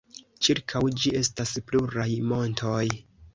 Ĉirkaŭ ĝi estas pluraj montoj.